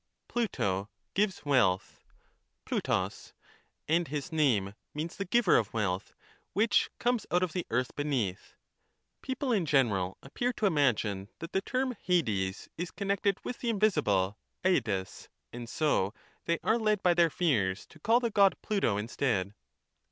Pluto gives wealth (rrXovro^), and his name means the giver of wealth, which comes out of the earth beneath. People in general appear to imagine that the term Hades is connected with the invisible [dsidtg) ; and so they are led by their fears to call the God Pluto instead.